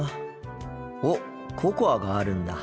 おっココアがあるんだ。